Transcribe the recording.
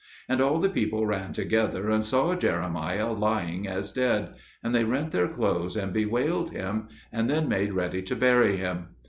And all the people ran together and saw Jeremiah lying as dead; and they rent their clothes and bewailed him, and then made ready to bury him.